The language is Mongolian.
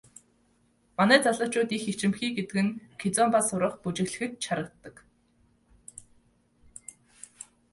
Манай залуучууд их ичимхий гэдэг нь кизомба сурах, бүжиглэхэд ч харагддаг.